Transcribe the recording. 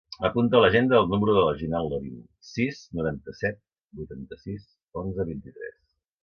Apunta a l'agenda el número de la Jinan Lerin: sis, noranta-set, vuitanta-sis, onze, vint-i-tres.